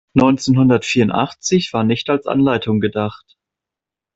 Neunzehnhundertvierundachtzig war nicht als Anleitung gedacht.